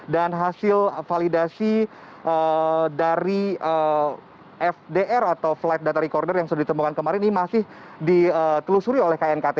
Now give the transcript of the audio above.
dan hasil validasi dari fdr atau flight data recorder yang sudah ditemukan kemarin ini masih ditelusuri oleh knkt